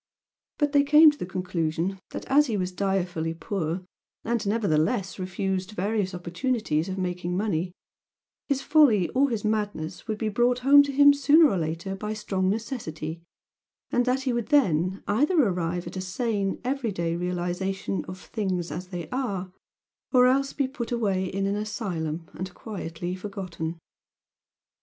But they came to the conclusion that as he was direfully poor, and nevertheless refused various opportunities of making money, his folly or his madness would be brought home to him sooner or later by strong necessity, and that he would then either arrive at a sane every day realisation of "things as they are" or else be put away in an asylum and quietly forgotten.